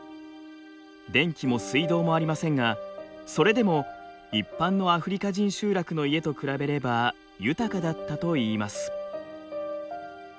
電気も水道もありませんがそれでも一般のアフリカ人集落の家と比べれば豊かだったといいます。